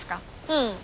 うん。